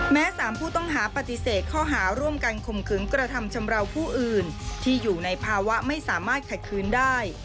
๓ผู้ต้องหาปฏิเสธข้อหาร่วมกันข่มขืนกระทำชำราวผู้อื่นที่อยู่ในภาวะไม่สามารถขัดคืนได้